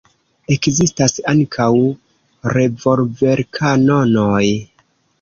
Ekzistas ankaŭ revolverkanonoj.